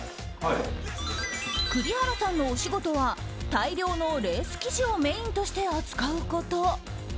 栗原さんのお仕事は大量のレース生地をメインとして扱うこと。